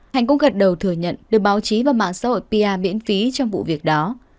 hạnh cũng gật đầu thừa nhận được báo chí và mạng xã hội pi miễn phí trong vụ việc đó